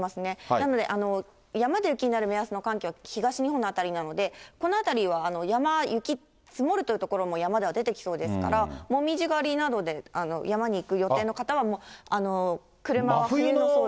なので、山で雪になる目安の寒気は東日本の辺りなので、この辺りは山、雪が積もるという所も山では出てきそうですから、紅葉狩りなどで山に行く予定の方はもう、車は冬の装備で。